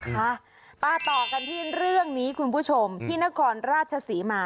ค่ะมาต่อกันที่เรื่องนี้คุณผู้ชมที่นครราชศรีมา